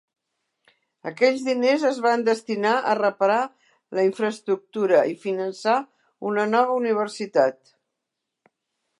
Aquests diners es van destinar a reparar la infraestructura i finançar una nova universitat.